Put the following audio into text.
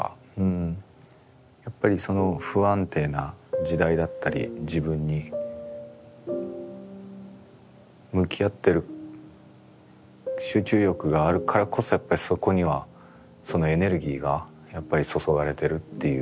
やっぱりその不安定な時代だったり自分に向き合ってる集中力があるからこそやっぱりそこにはそのエネルギーがやっぱり注がれてるっていう。